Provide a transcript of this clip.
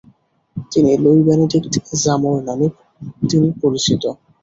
তিনি Louis Benedict জামর নামে তিনি পরিচিত।